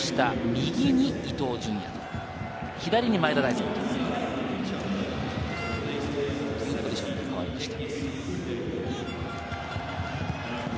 右に伊東純也、左に前田大然というポジションに変わりました。